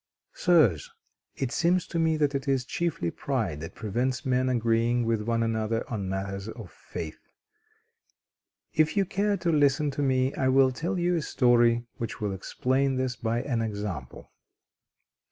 Sirs, it seems to me that it is chiefly pride that prevents men agreeing with one another on matters of faith. If you care to listen to me, I will tell you a story which will explain this by an example.